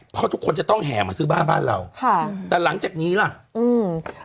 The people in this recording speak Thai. เพราะทุกคนจะต้องแห่มาซื้อบ้านบ้านเราค่ะแต่หลังจากนี้ล่ะอืม